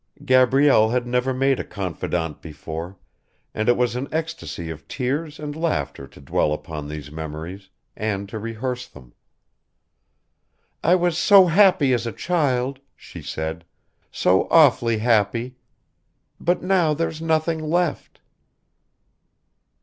Gabrielle had never made a confidante before, and it was an ecstasy of tears and laughter to dwell upon these memories, and to rehearse them. "I was so happy as a child," she said, "so awfully happy. But now there's nothing left."